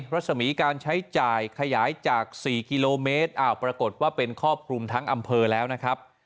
รัศมีการใช้จ่ายขยายจาก๔กิโลเมตรอ้าวปรากฏว่าเป็นครอบคลุมทั้งอำเภอแล้วนะครับ